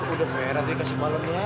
udah vera nanti dikasih balon ya